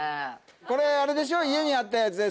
これあれでしょ家にあったやつで。